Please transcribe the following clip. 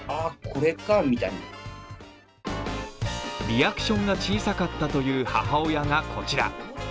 リアクションが小さかったという母親が、こちら。